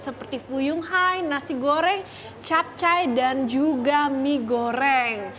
seperti fuyung hai nasi goreng capcai dan juga mie goreng